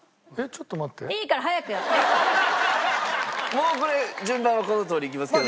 もうこれ順番はこのとおりいきますけど。